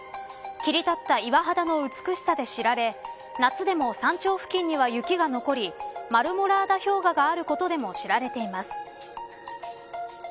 切り立った岩肌の美しさで知られ夏でも山頂付近には雪が残りマルモラーダ氷河があることでも知られています。